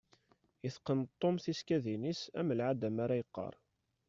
Iteqqen Tom tisekkadin-is am lɛada mi ara yeqqar.